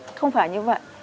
không phải như vậy